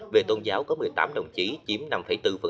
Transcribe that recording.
về tôn giáo có một mươi tám đồng chí chiếm năm bốn